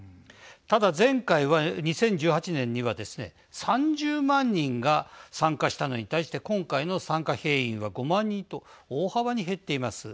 ただ、前回は２０１８年にはですね３０万人が参加したのに対して今回の参加兵員は５万人と大幅に減っています。